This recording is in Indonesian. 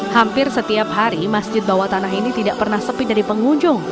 hampir setiap hari masjid bawah tanah ini tidak pernah sepi dari pengunjung